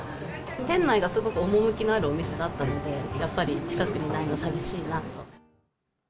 店内がすごく趣のあるお店だったので、やっぱり近くにないの寂しいなと。